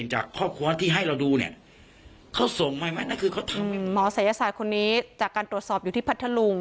หมอสายศาสตร์คนนี้จากการตรวจสอบอยู่ที่พัทธรุง